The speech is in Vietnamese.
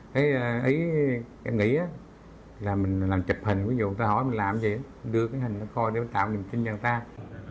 thế ý em nghĩ là mình làm chụp hình ví dụ người ta hỏi mình làm gì em đưa cái hình nó coi để mình tạo lòng tin cho người ta